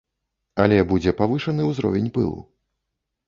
Але будзе павышаны ўзровень пылу.